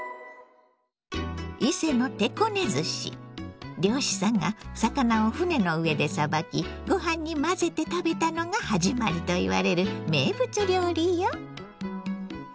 伊勢の漁師さんが魚を船の上でさばきご飯に混ぜて食べたのが始まりといわれる名物料理よ。